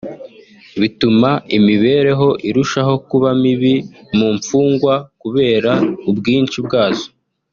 bituma imibereho irushaho kuba mibi mu mfungwa kubera ubwinshi bwazo